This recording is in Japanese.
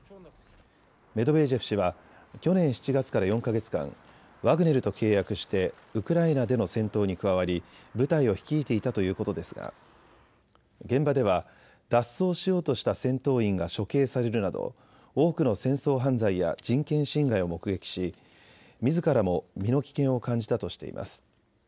メドベージェフ氏は去年７月から４か月間、ワグネルと契約してウクライナでの戦闘に加わり部隊を率いていたということですが現場では脱走しようとした戦闘員が処刑されるなど多くの戦争犯罪や人権侵害を目撃し、みずからも身の危険を感じたとしています。